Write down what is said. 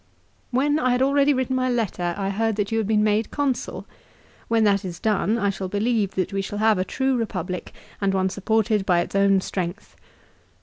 1 " When I had already written my letter, I heard that you had been made Consul. "When that is done I shall believe that we shall have a true Eepublic, and one supported by its own strength."